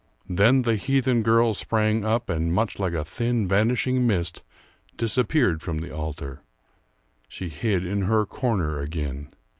Then the heathen girl sprang up, and, much like a thin vanishing mist, disappeared from the altar. She hid in her corner again.